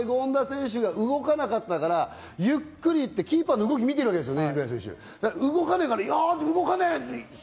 最後まで権田選手が動かなかったから、ゆっくり行って、キーパーの動きを見ているわけですよね。